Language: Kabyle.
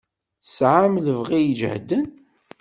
Tesɛam lebɣi ijehden.